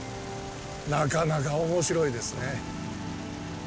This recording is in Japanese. なかなか面白いですね